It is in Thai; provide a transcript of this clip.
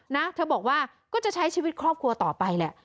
นะเธอบอกว่าก็จะใช้ชีวิตครอบครัวต่อไปแหละ